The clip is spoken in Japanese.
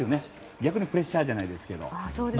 逆にプレッシャーじゃないですけど。